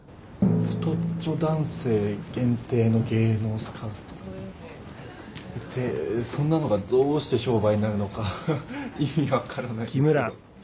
太っちょ男性限定の芸能スカウトってそんなのがどうして商売になるのか意味分からないんですけど。